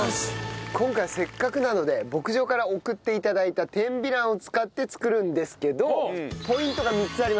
今回はせっかくなので牧場から送って頂いた天美卵を使って作るんですけどポイントが３つあります。